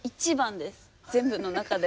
全部の中で。